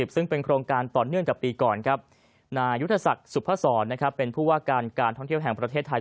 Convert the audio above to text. ซึ่งเป็นโครงการต่อเนื่องจากปีก่อนนายุทธศักดิ์สุพศรเป็นผู้ว่าการการท่องเที่ยวแห่งประเทศไทย